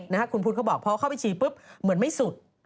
นะฮะคุณพุทธเขาบอกพอเข้าไปฉีดปุ๊บเหมือนไม่สุด